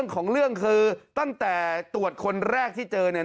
ของเรื่องคือตั้งแต่ตรวจคนแรกที่เจอเนี่ย